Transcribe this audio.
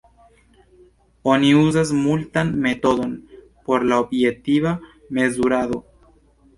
Oni uzas multan metodon por la objektiva mezurado.